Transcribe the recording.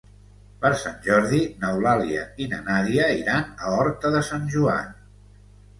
Per Sant Jordi n'Eulàlia i na Nàdia iran a Horta de Sant Joan.